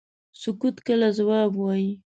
سکوت کله ځواب وي.